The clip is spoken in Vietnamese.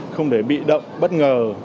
không để bị động bất ngờ